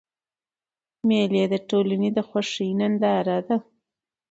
مېلې د ټولني د خوښۍ ننداره ده.